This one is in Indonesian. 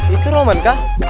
itu roman kah